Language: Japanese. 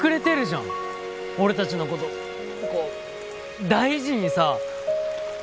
俺たちのこと大事にさ。